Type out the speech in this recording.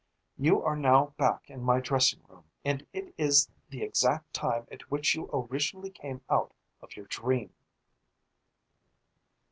You are now back in my dressing room, and it is the exact time at which you originally came out of your dream."